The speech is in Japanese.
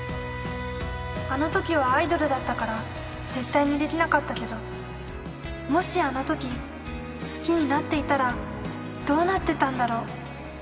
あのときはアイドルだったから、絶対にできなかったけど、もしあのとき好きになっていたらどうなってたんだろう。